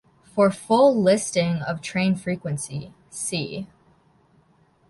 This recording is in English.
For full listing of train frequency, see.